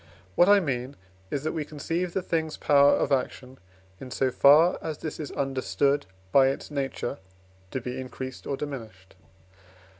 What I mean is, that we conceive the thing's power of action, in so far as this is understood by its nature, to be increased or diminished.